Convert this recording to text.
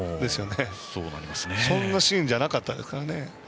そんなシーンじゃなかったですからね。